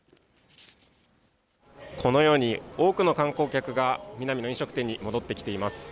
このように、多くの観光客がミナミの飲食店に戻ってきています。